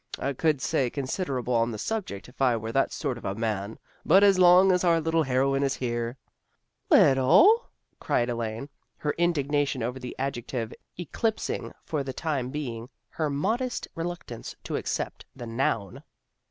I could say consider able on the subject if I were that sort of a man. But as long as our little heroine here " AN UNEXPECTED VISITOR 341 " Little! " cried Elaine, her indignation over the adjective eclipsing for the time being her modest reluctance to accept the noun.